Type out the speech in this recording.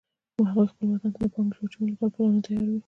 هغوی خپل وطن ته د پانګې اچونې لپاره پلانونه تیار وی